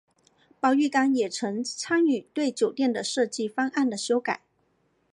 包玉刚也曾参与对酒店的设计方案的修改。